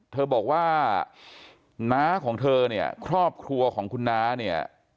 เธอบอกว่าน้าของเธอเนี่ยครอบครัวของคุณน้าเนี่ย